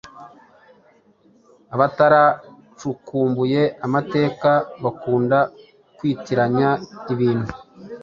Abataracukumbuye amateka, bakunda kwitiranya ibintu